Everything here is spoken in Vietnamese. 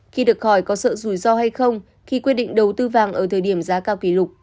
khi được hỏi có sợ rủi ro hay không khi quyết định đầu tư vàng ở thời điểm giá cao kỷ lục